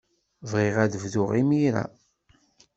Bɣiɣ ad bduɣ imir-a.